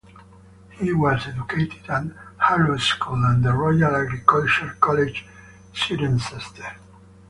He was educated at Harrow School and the Royal Agricultural College, Cirencester.